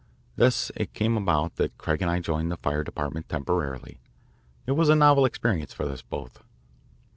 Thus it came about that Craig and I joined the Fire Department temporarily. It was a novel experience for us both.